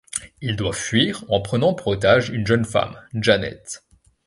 Il doit fuir en prenant pour otage une jeune femme Janet.